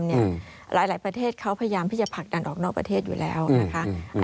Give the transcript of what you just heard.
หลายประเทศเขาพยายามที่จะผลักดันออกนอกประเทศอยู่แล้วนะคะ